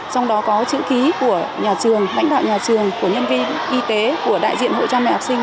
trong đó có chữ ký của nhà trường lãnh đạo nhà trường của nhân viên y tế của đại diện hội cha mẹ học sinh